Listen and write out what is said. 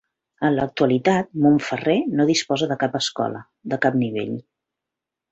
En l'actualitat, Montferrer no disposa de cap escola, de cap nivell.